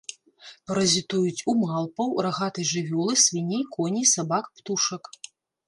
Паразітуюць у малпаў, рагатай жывёлы, свіней, коней, сабак, птушак.